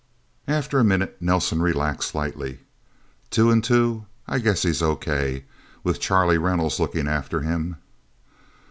After a minute, Nelsen relaxed, slightly. "Two and Two? I guess he's okay with Charlie Reynolds looking after him?"